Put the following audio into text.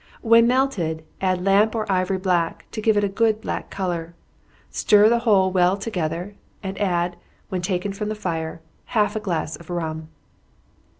When melted, add lamp or ivory black to give it a good black color. Stir the whole well together, and add, when taken from the fire, half a glass of rum.